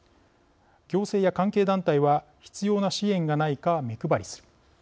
行政や関係団体は必要な支援がないか目配りする。